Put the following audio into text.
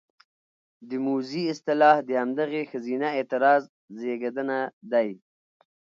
د موذي اصطلاح د همدغې ښځينه اعتراض زېږنده دى: